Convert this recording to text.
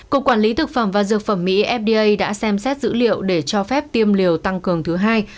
cục quản lý thực phẩm và dược phẩm mỹ fda đã xem xét dữ liệu để cho phép tiêm liều tăng cường thứ hai